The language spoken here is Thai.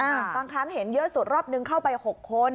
บางครั้งเห็นเยอะสุดรอบนึงเข้าไปหกคน